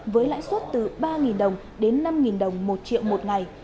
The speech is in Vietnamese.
với lãi suất từ ba đồng đến năm đồng một triệu một ngày